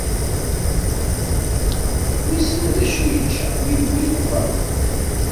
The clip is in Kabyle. Wissen d acu i yečča, yewwi-t uberruḍ